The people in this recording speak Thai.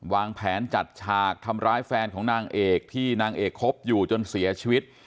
วางแผนจัดฉากทำร้ายแฟนของนางเอกที่นางเอกคบอยู่จนเสียชีวิต